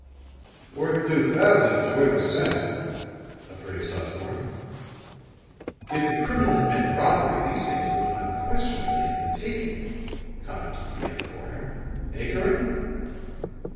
"Worth two thousand if it's worth a cent," appraised Osborne. "If the criminal had meant robbery these things would unquestionably have been taken," commented the young coroner. "Eh, Curran?"